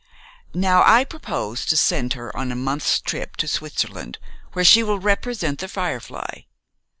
Now, I propose to send her on a month's trip to Switzerland, where she will represent 'The Firefly.'